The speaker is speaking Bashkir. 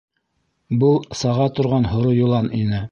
Был — саға торған Һоро йылан ине.